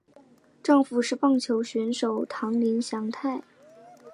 丈夫是棒球选手堂林翔太。